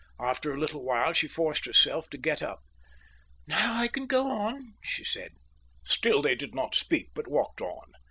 After a little while she forced herself to get up. "Now I can go," she said. Still they did not speak, but walked on.